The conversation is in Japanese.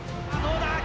どうだ？